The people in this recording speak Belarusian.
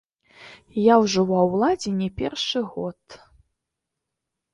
Я ўжо ва ўладзе не першы год.